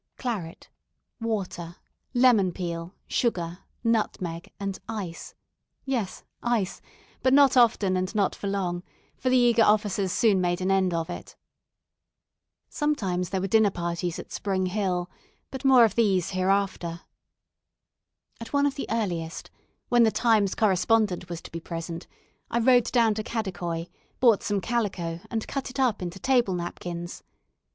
Claret, water, lemon peel, sugar, nutmeg, and ice yes, ice, but not often and not for long, for the eager officers soon made an end of it. Sometimes there were dinner parties at Spring Hill, but of these more hereafter. At one of the earliest, when the Times correspondent was to be present, I rode down to Kadikoi, bought some calico and cut it up into table napkins.